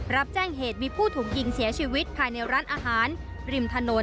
รับแจ้งเหตุมีผู้ถูกยิงเสียชีวิตภายในร้านอาหารริมถนน